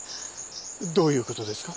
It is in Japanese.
どういうことですか？